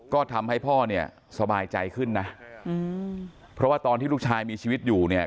ก็ทำให้พ่อเนี่ยสบายใจขึ้นนะอืมเพราะว่าตอนที่ลูกชายมีชีวิตอยู่เนี่ย